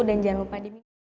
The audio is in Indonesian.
dan jangan lupa di